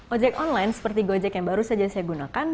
ojek online seperti gojek yang baru saja saya gunakan